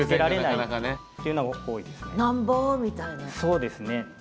そうですね。